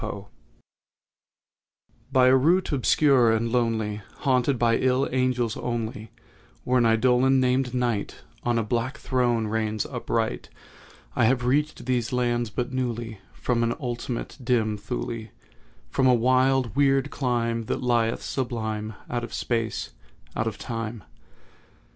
DREAM LAND By a route obscure and lonely, Haunted by ill angels only, Where an Eidolon, named NIGHT, On a black throne reigns upright, I have reached these lands but newly From an ultimate dim Thule— From a wild weird clime that lieth, sublime, Out of SPACE—out of TIME.